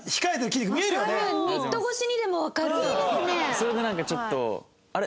それでなんかちょっと「あれ？